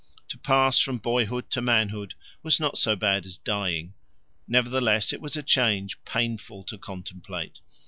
To pass from boyhood to manhood was not so bad as dying; nevertheless it was a change painful to contemplate.